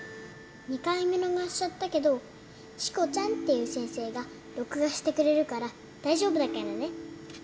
２回見逃しちゃったけどしこちゃんっていう先生が録画してくれるから大丈夫だからね。